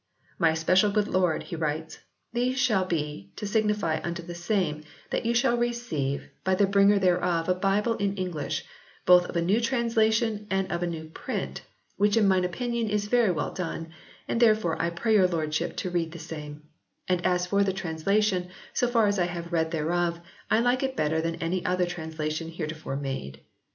"My especial good lord," he writes, "these shall be to signify unto the same that you shall receive by the bringer thereof a bible in English, both of a new translation and of a new print... which in mine opinion is very well done, and therefore I pray your lordship to read the same. And as for the translation, so far as I have read thereof, I like it better than any other translation heretofore made....